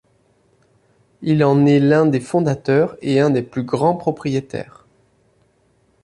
Il en est l'un des fondateurs et un des plus grands propriétaires.